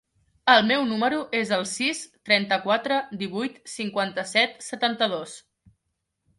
El meu número es el sis, trenta-quatre, divuit, cinquanta-set, setanta-dos.